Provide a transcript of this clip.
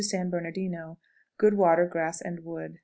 San Bernardino. Good water, grass, and wood.